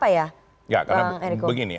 ya karena begini